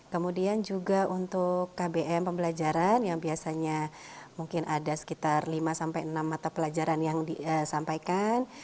kemudian juga untuk kbm pembelajaran yang biasanya mungkin ada sekitar lima sampai enam mata pelajaran yang disampaikan